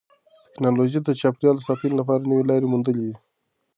تکنالوژي د چاپیریال د ساتنې لپاره نوې لارې موندلې دي.